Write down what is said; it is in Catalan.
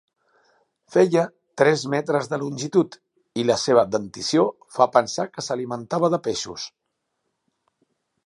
Feia tres metres de longitud i la seva dentició fa pensar que s'alimentava de peixos.